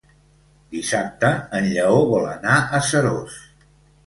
Dissabte en Lleó vol anar a Seròs.